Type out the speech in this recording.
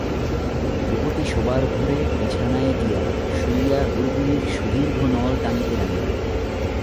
ভূপতি শোবার ঘরে বিছানায় গিয়া শুইয়া গুড়গুড়ির সুদীর্ঘ নল টানিতে লাগিল।